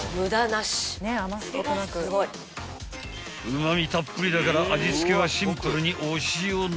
［うま味たっぷりだから味付けはシンプルにお塩のみ］